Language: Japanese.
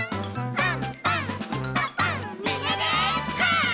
パン！